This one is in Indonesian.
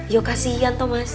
ya kasihan tuh mas